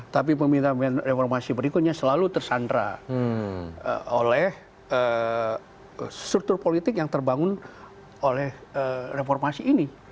tapi pemerintah reformasi berikutnya selalu tersandra oleh struktur politik yang terbangun oleh reformasi ini